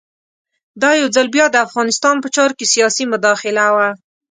دا یو ځل بیا د افغانستان په چارو کې سیاسي مداخله وه.